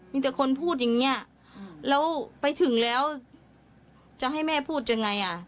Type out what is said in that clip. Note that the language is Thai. มีแต่คนพูดอย่างเงี้ยแล้วไปถึงแล้วจะให้แม่พูดยังไงอ่ะ